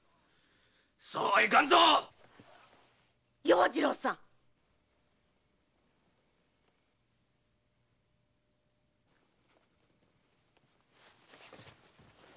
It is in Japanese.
そうはいかんぞっ‼要次郎さんっ！